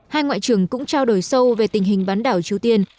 hai ngoại trưởng cũng trao đổi sâu về tình hình bán đảo triều tiên